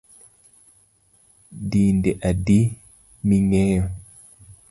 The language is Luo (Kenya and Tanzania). Dinde adi mingeyo